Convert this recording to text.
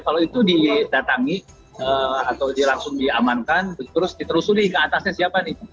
kalau itu didatangi atau langsung diamankan terus diterusuri ke atasnya siapa nih